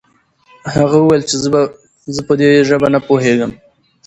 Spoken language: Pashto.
هغه وويل چې زه په دې ژبه نه پوهېږم.